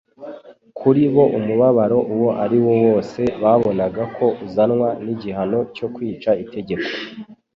Kuri bo umubabaro uwo ari wo wose babonaga ko uzanwa n'igihano cyo kwica itegeko